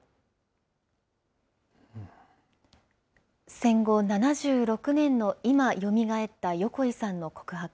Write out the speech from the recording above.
戦後７６年の今、よみがえった横井さんの告白。